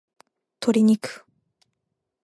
鶏肉